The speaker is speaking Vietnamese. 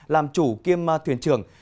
làm chủ kiêm thuyền trưởng